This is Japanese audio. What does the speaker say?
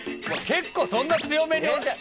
結構そんな強めに押して。